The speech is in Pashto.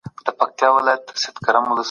ولي د ملګرو ملتونو سازمان جوړ سو؟